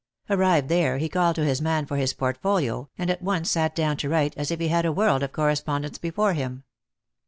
Arrived there, he called to his man for his portfolio, and at once sat down to write as if he had a world of corres pondence before him.